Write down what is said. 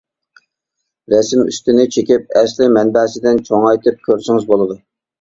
رەسىم ئۈستىنى چېكىپ ئەسلى مەنبەسىدىن چوڭايتىپ كۆرسىڭىز بولىدۇ.